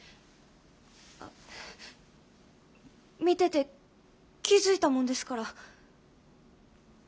見てて気付いたもんですから。